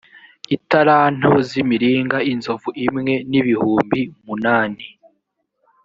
italanto z imiringa inzovu imwe n ibihumbi munani